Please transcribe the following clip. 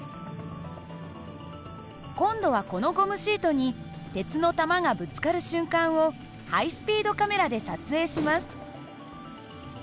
今度はこのゴムシートに鉄の球がぶつかる瞬間をハイスピードカメラで撮影します。